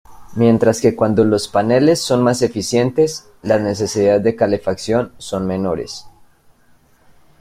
Mientras que cuando los paneles son más eficientes, las necesidades de calefacción son menores.